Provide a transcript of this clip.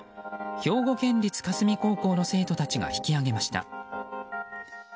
兵庫県立香住高校の生徒たちが引き上げました。